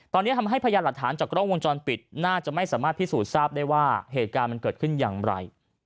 ตอนนี้ทำให้พยานหลักฐานจากกล้องวงจรปิดน่าจะไม่สามารถพิสูจน์ทราบได้ว่าเหตุการณ์มันเกิดขึ้นอย่างไร